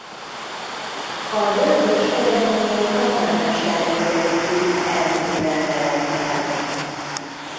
A döntés eredményét a nagymester hirdeti ki elnöki rendelettel.